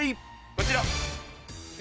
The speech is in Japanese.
こちら。